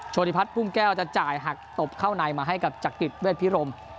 ธิพัฒน์ปุ้งแก้วจะจ่ายหักตบเข้าในมาให้กับจักริจเวทพิรม